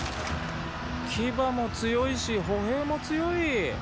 ⁉騎馬も強いし歩兵も強い。